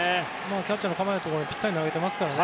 キャッチャーの構えたところにぴったり投げてますからね。